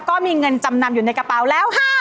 ก็มีเงินจำนำอยู่ในกระเป๋าแล้ว๕๐๐